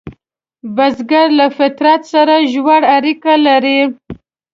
بزګر له فطرت سره ژور اړیکه لري